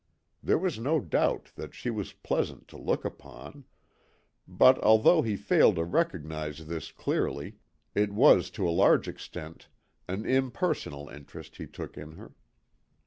There was no doubt that she was pleasant to look upon; but although he failed to recognise this clearly, it was to a large extent an impersonal interest he took in her.